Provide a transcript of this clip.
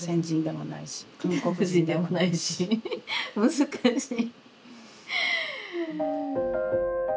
難しい。